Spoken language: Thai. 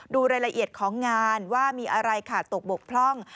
ดูรายละเอียดของงานว่ามีอะไรขาดตกบกพร่อง